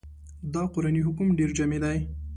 دا قرآني حکم ډېر جامع دی.